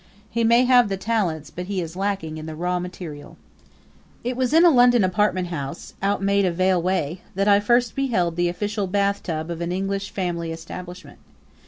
He may have the talents, but he is lacking in the raw material. It was in a London apartment house, out Maida Vale way, that I first beheld the official bathtub of an English family establishment.